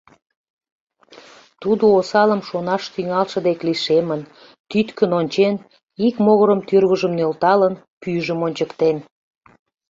Тудо осалым шонаш тӱҥалше деке лишемын, тӱткын ончен, ик могырым тӱрвыжым нӧлталын, пӱйжым ончыктен.